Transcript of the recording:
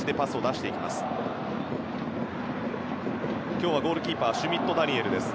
今日はゴールキーパーはシュミット・ダニエルです。